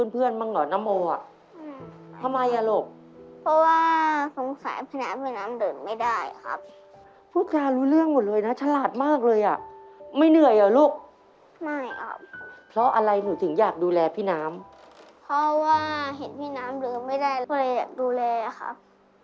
เพราะว่าเห็นพี่น้ำเริ่มไม่ได้เลยอยากดูแลครับ